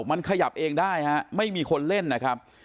มันขยับเองได้ฮะไม่มีคนเล่นนะครับ